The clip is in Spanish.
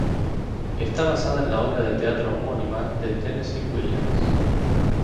Está basada en la obra de teatro homónima de Tennessee Williams.